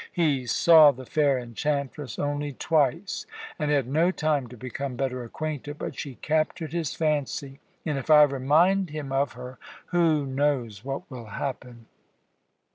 He saw the fair enchantress only twice, and had no time to become better acquainted, but she captured his fancy and, if I remind him of her, who knows what will happen?"